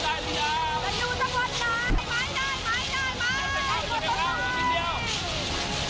จะอยู่ทั้งหมดไงมาย